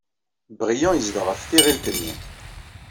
Brian yezdeɣ ɣef tiɣilt-nni.